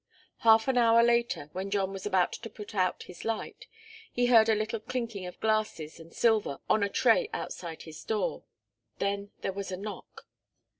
Half an hour later, when John was about to put out his light, he heard the little clinking of glasses and silver on a tray outside his door. Then there was a knock.